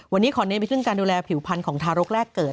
วันนี้ขอเน้นไปซึ่งการดูแลผิวพันธ์ของทารกแรกเกิด